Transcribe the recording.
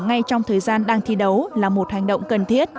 ngay trong thời gian đang thi đấu là một hành động cần thiết